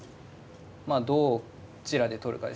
まあどちらで取るかですね。